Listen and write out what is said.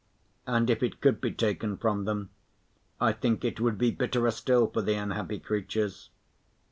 And if it could be taken from them, I think it would be bitterer still for the unhappy creatures.